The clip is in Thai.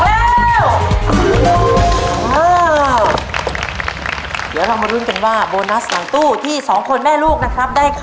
เดี๋ยวเรามารุ้นกันว่าโบนัสหลังตู้ที่สองคนแม่ลูกนะครับได้ข้อ